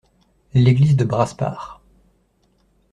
L’église de Brasparts.